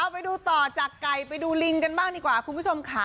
ไปดูต่อจากไก่ไปดูลิงกันบ้างดีกว่าคุณผู้ชมค่ะ